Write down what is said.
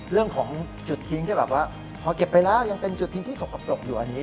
เรื่องของจุดทิ้งที่แบบว่าพอเก็บไปแล้วยังเป็นจุดทิ้งที่สกปรกอยู่อันนี้